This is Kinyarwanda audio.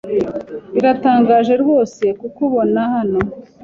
Biratangaje rwose kukubona hano.